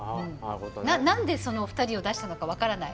何でそのお二人を出したのか分からない。